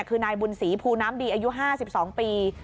คือนายบุญศรีภูน้ำดีอายุ๕๒ปี